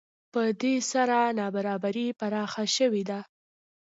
په دې سره نابرابري پراخه شوې ده